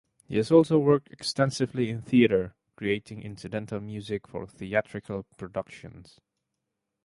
He has also worked extensively in theater, creating incidental music for theatrical productions.